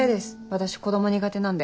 私子供苦手なんで。